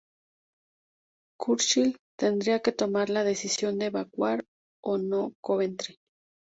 Churchill tendría que tomar la decisión de evacuar o no Coventry.